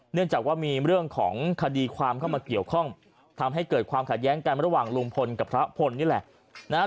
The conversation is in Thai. เนื่องจากว่ามีเรื่องของคดีความเข้ามาเกี่ยวข้องทำให้เกิดความขัดแย้งกันระหว่างลุงพลกับพระพลนี่แหละนะฮะ